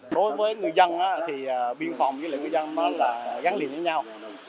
đối với người dân thì biên phòng với người dân là gắn liền với nhau